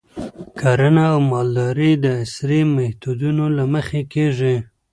کرنه او مالداري د عصري میتودونو له مخې کیږي.